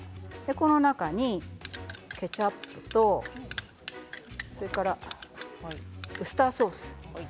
この中にケチャップとウスターソース。